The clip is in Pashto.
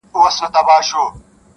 د سودا اخیستل هر چاته پلمه وه-